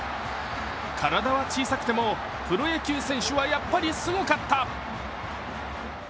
体は小さくても、プロ野球選手はやっぱりすごかった。